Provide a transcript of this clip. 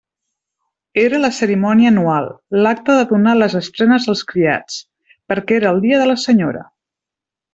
Era la cerimònia anual, l'acte de donar les estrenes als criats, perquè era el dia de la senyora.